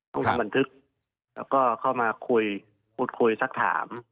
ต้องทำบันทึกแล้วก็เข้ามาคุยพูดคุยสักถาม